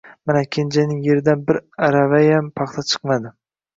Mana Kenjaning yeridan bir aravayam paxta chiqmadi.